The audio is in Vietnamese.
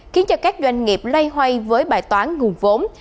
khiến cho các doanh nghiệp loay hoay với bài toán nguồn vốn